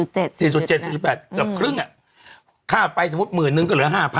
เกือบครึ่งอะค่าไปสมมุติหมื่นนึงก็เหลือ๕๐๐๐